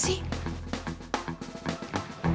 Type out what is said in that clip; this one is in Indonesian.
kok ngikutin aku